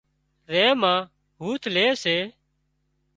زين مان هُوٿ لي سي